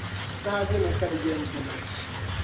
Saha dini ka di yɛn ti niŋ?